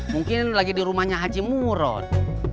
mungkin lagi di rumahnya haji muron